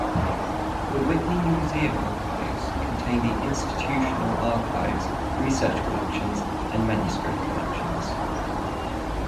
The Whitney Museum Archives contain the Institutional Archives, Research Collections, and Manuscript Collections.